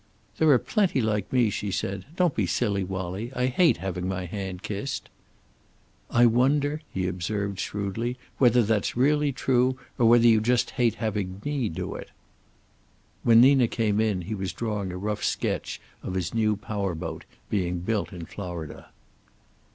"There are plenty like me," she said. "Don't be silly, Wallie. I hate having my hand kissed." "I wonder," he observed shrewdly, "whether that's really true, or whether you just hate having me do it?" When Nina came in he was drawing a rough sketch of his new power boat, being built in Florida.